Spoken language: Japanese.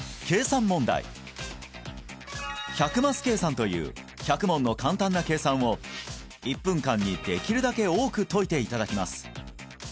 計算という１００問の簡単な計算を１分間にできるだけ多く解いていただきます